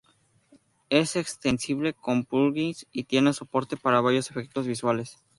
Es extensible con plugins y tiene soporte para varios efectos visuales.